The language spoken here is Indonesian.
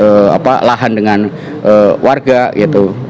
konflik apa lahan dengan warga gitu